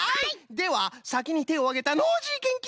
ではさきにてをあげたノージーけんきゅういん！